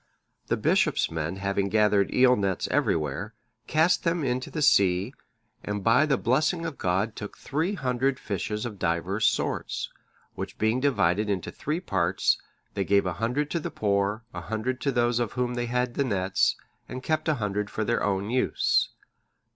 The bishop's men having gathered eel nets everywhere, cast them into the sea, and by the blessing of God took three hundred fishes of divers sorts, which being divided into three parts, they gave a hundred to the poor, a hundred to those of whom they had the nets, and kept a hundred for their own use.